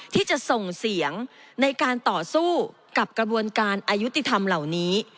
ที่จะส่งเสียงในการต่อสู้กับกระบวนการอายุติธรรมเหล่านี้